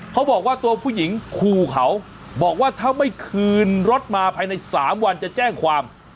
เขาบอกว่าตัวผู้หญิงคู่เขาบอกว่าถ้าไม่คืนรถมาภายใน๓วันจะแจ้งความ